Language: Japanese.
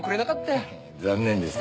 残念ですね。